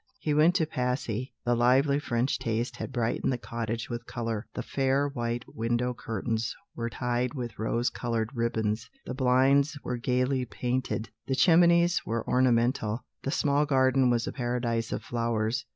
He went to Passy. The lively French taste had brightened the cottage with colour: the fair white window curtains were tied with rose coloured ribbons, the blinds were gaily painted, the chimneys were ornamental, the small garden was a paradise of flowers.